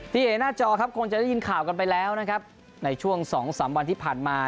เห็นหน้าจอครับคงจะได้ยินข่าวกันไปแล้วนะครับในช่วงสองสามวันที่ผ่านมา